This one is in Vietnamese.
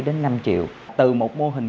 đến năm triệu từ một mô hình